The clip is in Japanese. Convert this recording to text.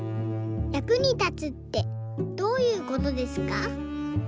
役に立つってどういうことですか？」。